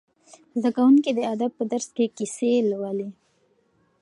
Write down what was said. زده کوونکي د ادب په درس کې کیسې لوړي.